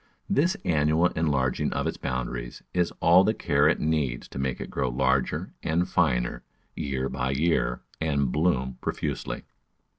This annual enlarging of its boundaries is all the care it needs to make it grow larger and finer, year by year, and bloom profusely.